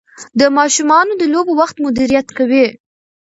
د ماشومانو د لوبو وخت مدیریت کوي.